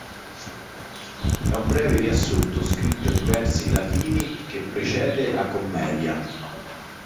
È un breve riassunto, scritto in versi latini, che precede la commedia.